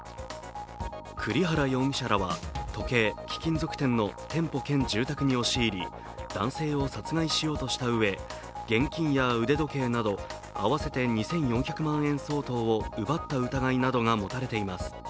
栗原容疑者らは、時計・貴金属店の店舗兼住宅に押し入り男性を殺害しようとしたうえ現金や腕時計など合わせて２４００万円相当を奪った疑いなどが持たれています。